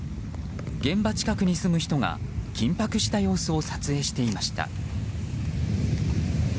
現場近くに住む人が緊迫した様子を撮影していました。